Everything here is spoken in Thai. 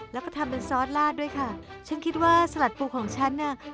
แล้วก็ทำเป็นซอสลาดด้วยค่ะฉันคิดว่าสลัดปูของฉันน่ะ